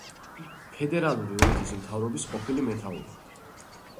ფედერალური ოლქის მთავრობის ყოფილი მეთაური.